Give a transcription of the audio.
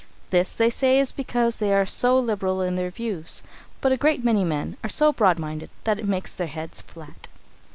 This, they say, is because they are so liberal in their views, but a great many men are so broad minded that it makes their heads flat.